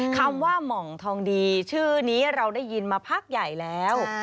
คำว่าหม่องทองดีชื่อนี้เราได้ยินมาพักใหญ่แล้ว